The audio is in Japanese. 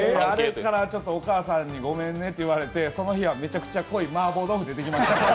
あれから、お母さんにごめんねと言われてその日は、めちゃくちゃ濃いマーボー豆腐を頂きました。